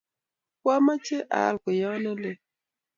Kwamache aal kweyot ne lel